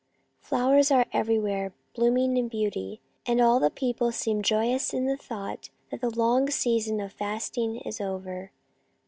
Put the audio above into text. Flowers are everywhere, blooming in beauty, and all the people seem joyous in the thought that the long season of fasting is over.